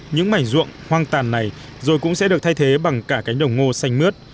những mảnh ruộng hoang tàn này rồi cũng sẽ được thay thế bằng cả cánh đồng ngô xanh mướt